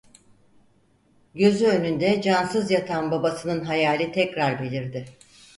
Gözü önünde cansız yatan babasının hayali tekrar belirdi.